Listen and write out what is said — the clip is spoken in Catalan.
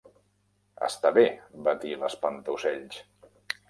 "Està bé", va dir l'Espantaocells.